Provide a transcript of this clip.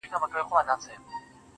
زما مرور فکر به څه لفظونه وشرنگوي,